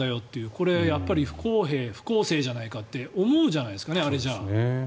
これはやっぱり不公平、不公正じゃないかって思うんじゃないですかね。